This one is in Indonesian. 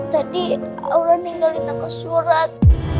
tadi aura ninggalin tangan surat